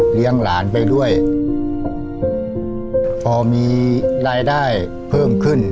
หลานไปด้วยพอมีรายได้เพิ่มขึ้น